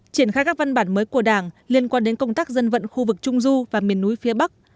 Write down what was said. triển khai các văn bản mới của đảng liên quan đến công tác dân vận khu vực trung du và miền núi phía bắc